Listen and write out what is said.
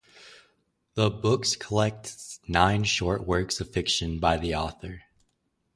The book collects nine short works of fiction by the author.